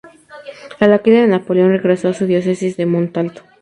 A la caída de Napoleón regresó a su diócesis de Montalto.